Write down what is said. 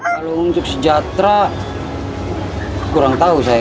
kalau untuk sejahtera kurang tahu saya